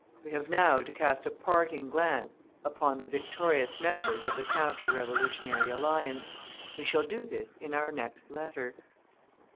We have now to cast a parting glance upon the victorious members of the counter revolutionary alliance; we shall do this in our next letter.